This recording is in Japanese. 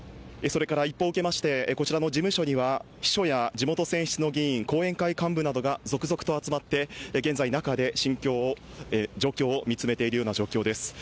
それから一報を受けましてこちらの事務所には、秘書や後援会幹部などが続々と集まって現在、中で状況を見つめている状況です。